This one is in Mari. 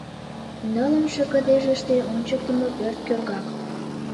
Нылымше кыдежыште ончыктымо пӧрт кӧргак.